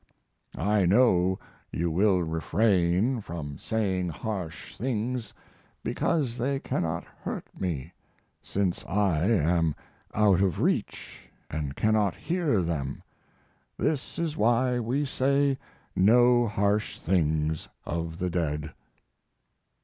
I know you will refrain from saying harsh things because they cannot hurt me, since I am out of reach and cannot hear them. This is why we say no harsh things of the dead."